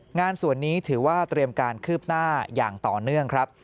งานส่วนนี้ถือว่าเตรียมการคืบหน้าอย่างต่อเนื่องครับ